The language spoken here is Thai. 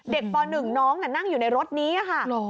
ป๑น้องนั่งอยู่ในรถนี้ค่ะ